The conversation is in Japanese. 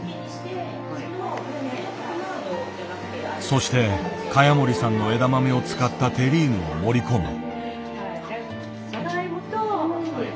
そして萱森さんの枝豆を使ったテリーヌを盛り込む。